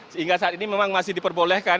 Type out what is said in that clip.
sehingga saat ini memang masih diperbolehkan